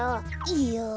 いや。